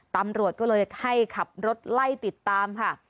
ตำรวจก็เลยให้ขับรถไล่ติดตามค่ะ